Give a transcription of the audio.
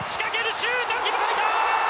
シュート、決めた！